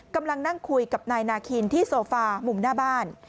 กำลังนั่งคุยกับนายนาคินที่โซฟามุมหน้าบ้าน